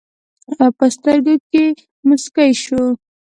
او پۀ سترګو کښې مسکے شو